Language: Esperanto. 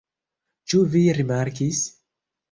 Ĉu vi rimarkis?